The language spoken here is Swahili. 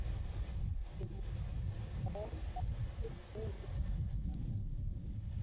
vinazunguka kwa moto mkubwa sana